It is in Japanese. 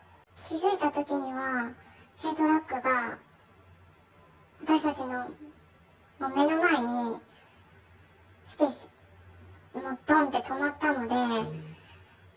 気付いたときには、軽トラックが私たちの目の前に来て、どんって止まったので。